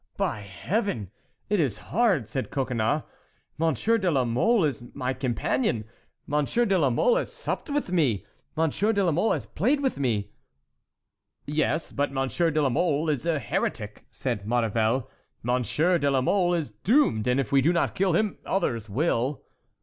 "By Heaven! it is hard," said Coconnas. "Monsieur de la Mole is my companion; Monsieur de la Mole has supped with me; Monsieur de la Mole has played with me"— "Yes; but Monsieur de la Mole is a heretic," said Maurevel. "Monsieur de la Mole is doomed; and if we do not kill him, others will."